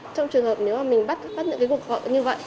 trong trường hợp nếu mà mình bắt những cái cuộc gọi như vậy